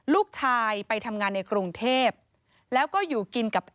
ลูกชายไปทำงานในกรุงเทพแล้วก็อยู่กินกับ